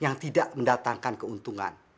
yang tidak mendatangkan keuntungan